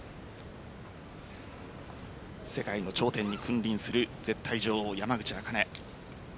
世界の頂点に君臨する絶対女王・山口茜。